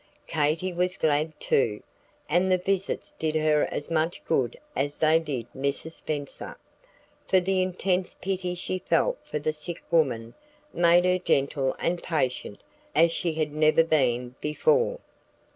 Katy was glad too, and the visits did her as much good as they did Mrs. Spenser, for the intense pity she felt for the sick woman made her gentle and patient as she had never been before.